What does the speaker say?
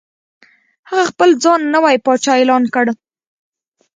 هغه خپل ځان نوی پاچا اعلان کړ.